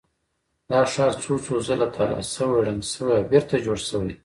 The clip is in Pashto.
دا ښار څو څو ځله تالا شوی، ړنګ شوی او بېرته جوړ شوی دی.